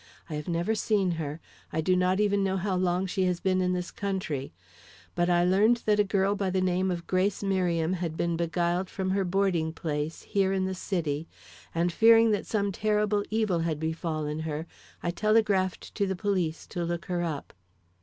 I have never seen her. I do not even know how long she has been in this country. But I learned that a girl by the name of Grace Merriam had been beguiled from her boarding place here in this city, and fearing that some terrible evil had befallen her, I telegraphed to the police to look her up."